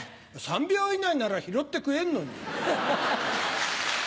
３秒以内なら拾って食えるのに。